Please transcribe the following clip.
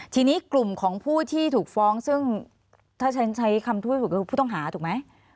ทีนี้กลุ่มของผู้ที่ถูกฟ้องซึ่งถ้าฉันใช้คำพูดถูกคือผู้ต้องหาถูกไหม